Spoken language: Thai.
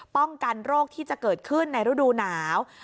ป้องกันโรคที่จะเกิดขึ้นในฤดูหนาว